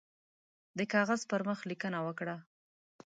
د کاغذ پر مخ لیکنه وکړه.